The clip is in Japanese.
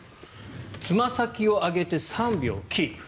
つま先を上げて３秒キープ。